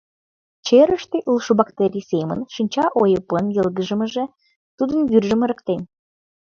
Черыште улшо бактерий семын, шинча ойыпын йылгыжмыже тудын вӱржым ырыктен.